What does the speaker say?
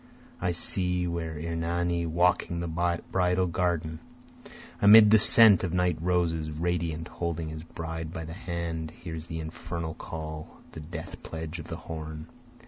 I see where Ernani walking the bridal garden, Amid the scent of night roses, radiant, holding his bride by the hand, Hears the infernal call, the death pledge of the horn.